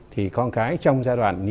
thì con cái trong giai đoạn